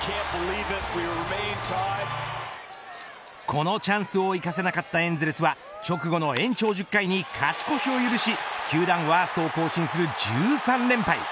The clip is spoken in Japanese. このチャンスを生かせなかったエンゼルスは直後の延長１０回に勝ち越しを許し球団ワーストを更新する１３連敗。